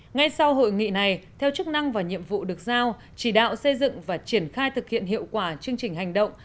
ngay sau hội nghị này theo chức năng và nhiệm vụ được giao chỉ đạo xây dựng và triển khai thực hiện hiệu quả chương trình hành động